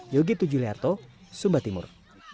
yogitu juliarto sumba timur